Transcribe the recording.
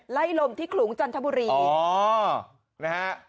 พี่ทำยังไงฮะ